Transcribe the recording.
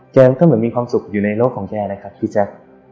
มันก็เหมือนมีความสุขอยู่ในโลกของแกนะครับพี่แจ๊ค